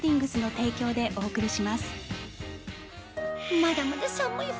まだまだ寒い冬